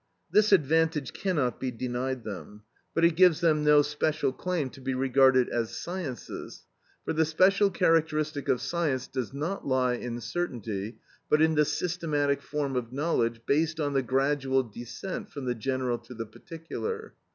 This advantage cannot be denied them, but it gives them no special claim to be regarded as sciences; for the special characteristic of science does not lie in certainty but in the systematic form of knowledge, based on the gradual descent from the general to the particular.